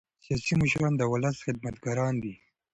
سیاسي مشران د ولس خدمتګاران دي